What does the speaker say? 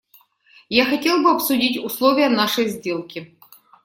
Я хотел бы обсудить условия нашей сделки.